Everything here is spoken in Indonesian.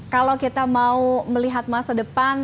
kalau kita mau melihat masa depan